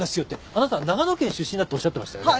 あなたは長野県出身だっておっしゃってましたよね？